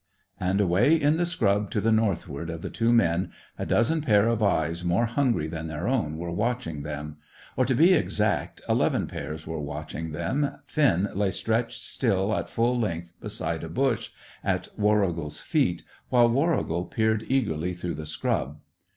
Away in the scrub to the northward of the two men a dozen pair of eyes more hungry than their own were watching them; or, to be exact, eleven pairs were watching them. Finn lay stretched still at full length, beside a bush, at Warrigal's feet, while Warrigal peered eagerly through the scrub.